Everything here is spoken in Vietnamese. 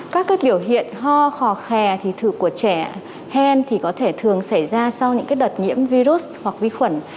các biểu hiện ho khò khè thì thử của trẻ hen thì có thể thường xảy ra sau những đợt nhiễm virus hoặc vi khuẩn